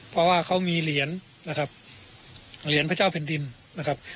เพราะว่าเขามีเหรียญนะครับเหรียญพระเจ้าแผ่นดินนะครับ